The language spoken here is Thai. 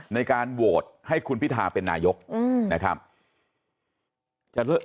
ในการโหวตให้คุณพิทาเป็นนายกนะครับ